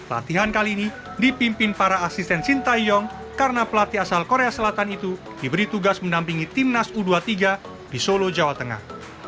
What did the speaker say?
latihan kali ini dipimpin para asisten sintayong karena pelatih asal korea selatan itu diberi tugas mendampingi timnas u dua puluh tiga di solo jawa tengah